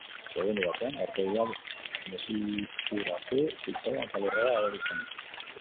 Segundu batean aurpegia desitxuratu zitzaion eta lurrera erori zen.